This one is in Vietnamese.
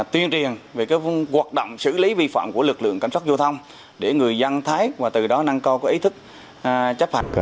tuyên truyền về cái hoạt động xử lý vi phạm của lực lượng cảnh sát giao thông để người dân thấy và từ đó năng co có ý thức chấp hẳn